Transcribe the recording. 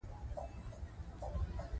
زموږ قالینې ارزښت لري.